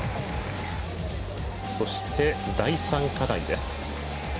そして、第３課題です。